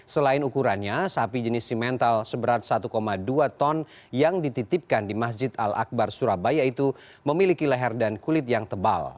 selain ukurannya sapi jenis simental seberat satu dua ton yang dititipkan di masjid al akbar surabaya itu memiliki leher dan kulit yang tebal